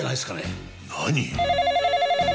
何？